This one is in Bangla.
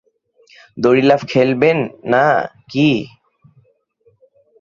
দড়ি লাফ খেলবেন না-কি?